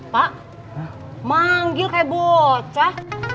pak manggil kayak bocah